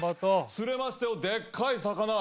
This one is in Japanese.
釣れましたよでっかい魚。